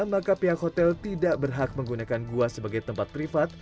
maka pihak hotel tidak berhak menggunakan gua sebagai tempat privat